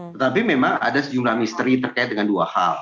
tetapi memang ada sejumlah misteri terkait dengan dua hal